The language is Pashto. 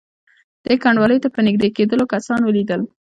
دې کنډوالې ته په نږدې کېدلو کسان ولیدل.